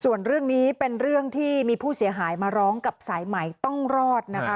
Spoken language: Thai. ส่วนเรื่องนี้เป็นเรื่องที่มีผู้เสียหายมาร้องกับสายใหม่ต้องรอดนะคะ